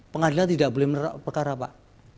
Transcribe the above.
pengadilan tidak boleh perkara pak